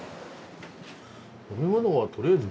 飲み物はとりあえずビールで。